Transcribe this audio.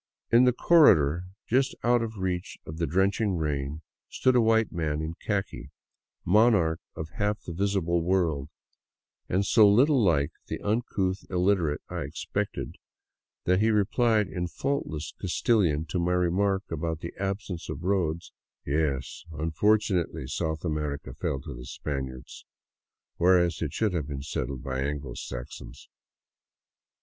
In the cor redo r, just out of reach of the drenching rain, stood a white man in khaki, monarch of half the visible world, and so little like the uncouth illiterate I expected that he replied in faultless Castilian to my remark about the absence of roads :" Yes, unfortunately South America fell to the Spaniards, whereas it should have been settled by Anglo Saxons."